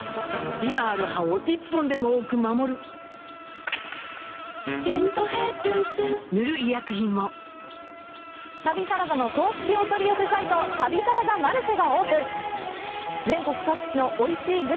今ある歯を１本でも多く守る「デントヘルス」塗る医薬品も旅サラダの公式お取り寄せサイト、旅サラダ公式お取り寄せサイト、「旅サラダマルシェ」。